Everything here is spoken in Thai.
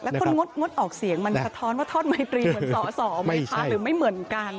แล้วคนงดออกเสียงมันกระท้อนว่าทอดไมธรีเหมือนสอหรือไม่เหมือนกัน